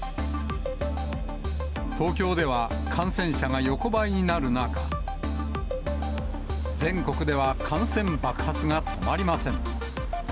東京では感染者が横ばいになる中、全国では感染爆発が止まりません。